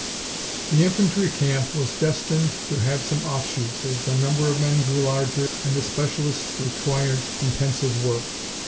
The infantry camp was destined to have some offshoots, as the number of men grew larger, and the specialists required intensive work.